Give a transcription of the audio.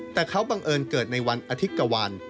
แต่เขาบังเอิญเกิดในวันอาทิตย์กวัล